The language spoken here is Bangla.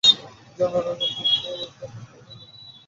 জানার কৌতুহল থাকা ভালো।